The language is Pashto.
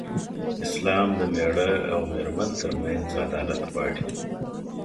اسلام د مېړه او مېرمن تر منځ عدالت غواړي.